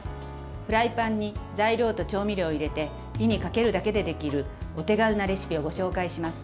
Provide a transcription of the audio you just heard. フライパンに材料と調味料を入れて火にかけるだけでできるお手軽なレシピをご紹介します。